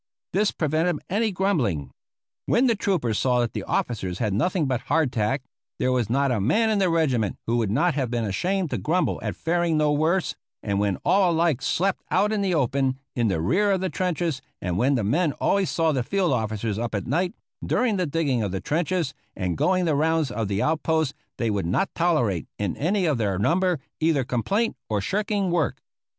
This prevented any grumbling. When the troopers saw that the officers had nothing but hardtack, there was not a man in the regiment who would not have been ashamed to grumble at faring no worse, and when all alike slept out in the open, in the rear of the trenches, and when the men always saw the field officers up at night, during the digging of the trenches, and going the rounds of the outposts, they would not tolerate, in any of their number, either complaint or shirking work.